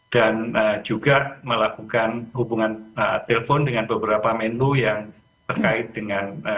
dan juga melakukan hubungan telepon dengan beberapa menlu yang terkait dengan